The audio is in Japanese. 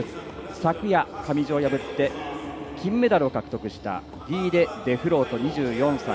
昨夜、上地を破って金メダルを獲得したディーデ・デフロート、２４歳。